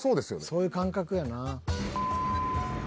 そういう感覚やな。